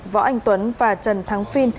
võ anh tuấn và trần thắng phi